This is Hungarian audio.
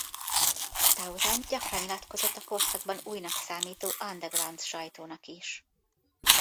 Townshend gyakran nyilatkozott a korszakban újnak számító underground sajtónak is.